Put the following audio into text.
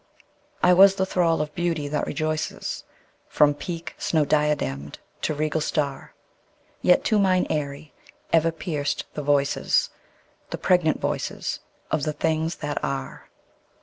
I was the thrall of Beauty that rejoices From peak snow diademed to regal star; Yet to mine aerie ever pierced the voices, The pregnant voices of the Things That Are.